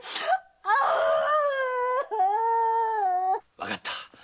わかった。